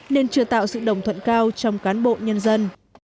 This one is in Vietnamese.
nên chưa tạo sự đồng thuận cao trong cán bộ nhân dân